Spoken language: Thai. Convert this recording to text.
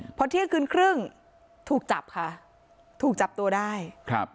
พอเที่ยงคืนครึ่งถูกจับค่ะถูกจับตัวได้ครับ